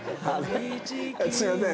すいません。